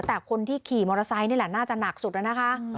แต่คนที่ขี่มอเตอร์ไซค์นี่แหละน่าจะหนักสุดแล้วนะคะ